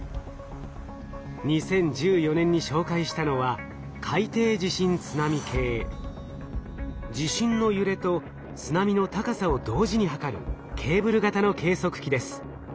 ２０１４年に紹介したのは地震の揺れと津波の高さを同時に測るケーブル型の計測器です。